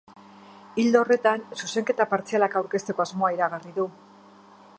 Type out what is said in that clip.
Ildo horretan, zuzenketa partzialak aurkezteko asmoa iragarri du.